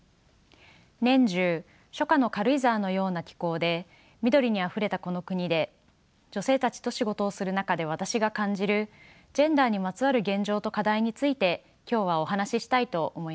年中初夏の軽井沢のような気候で緑にあふれたこの国で女性たちと仕事をする中で私が感じるジェンダーにまつわる現状と課題について今日はお話ししたいと思います。